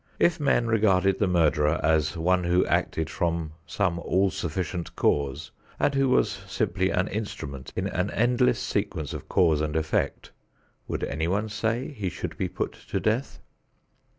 If men regarded the murderer as one who acted from some all sufficient cause and who was simply an instrument in an endless sequence of cause and effect, would anyone say he should be put to death?